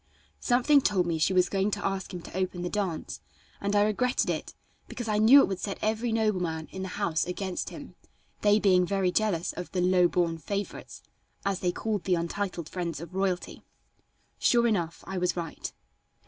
Something told me she was going to ask him to open the dance, and I regretted it, because I knew it would set every nobleman in the house against him, they being very jealous of the "low born favorites," as they called the untitled friends of royalty. Sure enough, I was right.